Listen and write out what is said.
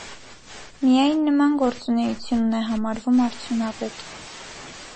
Միայն նման գործունեությունն է համարվում արդյունավետ։